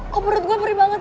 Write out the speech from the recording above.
kok menurut gue perih banget